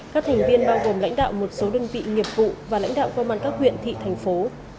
các thành viên bao gồm lãnh đạo một số đơn vị nghiệp vụ và lãnh đạo công an các huyện thị thành phố